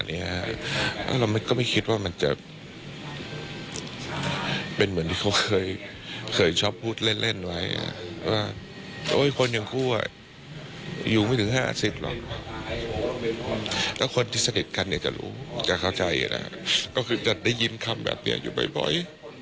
อีกท่านเนี่ยจะรู้จะเข้าใจนะคะก็คือจะได้ยินคำแบบเนี่ยอยู่บ่อย